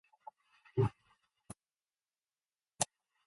Without this relationship, the other steps will not be effective.